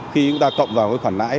khi chúng ta cộng vào khoản nãi